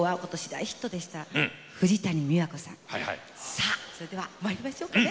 さあそれではまいりましょうかね。